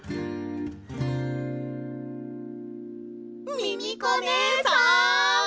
ミミコねえさん。